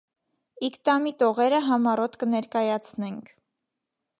Իգտամի տողերը համառօտ կը ներկայացնենք։